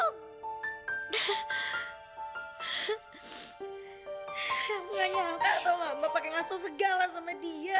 kamu gak nyangka tau mbak pake ngasut segala sama dia